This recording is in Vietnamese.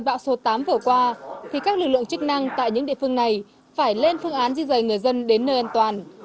đảm bảo cơn bão số tám vừa qua thì các lực lượng chức năng tại những địa phương này phải lên phương án di dời người dân đến nơi an toàn